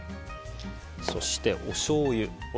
そして、おしょうゆ。